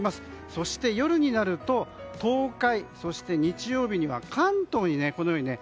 そして、夜になると東海そして、日曜日には関東に。